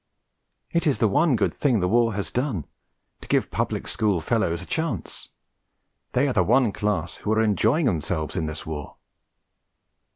'It is the one good thing the war has done to give public school fellows a chance they are the one class who are enjoying themselves in this war.'